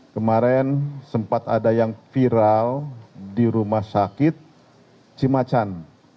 kemarin sempat ada yang viral di rumah sakit cimacan